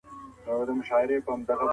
څېړونکی د حقایقو د رابرسېره کولو مسؤل دی.